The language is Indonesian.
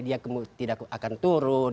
dia tidak akan turun